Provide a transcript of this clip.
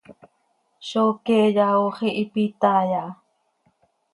¡Zó queeya, ox ihiipe itaai aha!